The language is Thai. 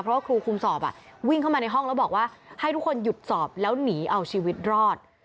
เพราะว่าครูคุมสอบวิ่งเข้ามาในห้องแล้วบอกว่าให้ทุกคนหยุดสอบแล้วหนีเอาชีวิตรอด